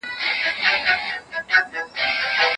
عصري تکنالوژي له پرمختللو هيوادونو څخه هيواد ته واردول کيږي.